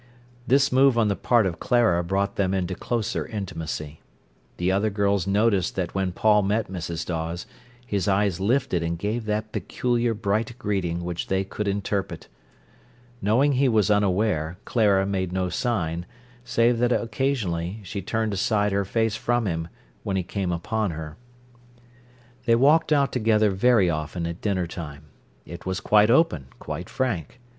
This move on the part of Clara brought them into closer intimacy. The other girls noticed that when Paul met Mrs. Dawes his eyes lifted and gave that peculiar bright greeting which they could interpret. Knowing he was unaware, Clara made no sign, save that occasionally she turned aside her face from him when he came upon her. They walked out together very often at dinner time; it was quite open, quite frank.